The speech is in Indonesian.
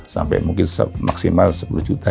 sampai mungkin maksimal sepuluh juta